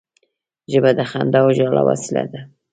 ژبه د خندا او ژړا وسیله ده